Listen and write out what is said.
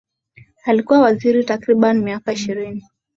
Alikuwa waziri takribani miaka ishirini